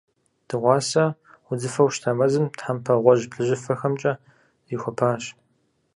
Дыгъуасэ удзыфэу щыта мэзым, тхьэмпэ гъуэжь-плъыжьыфэхэмкӏэ зихуапащ.